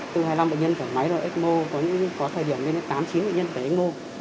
từ hai mươi năm bệnh nhân thở máy rồi x mo có thời điểm lên đến tám chín bệnh nhân thở x mo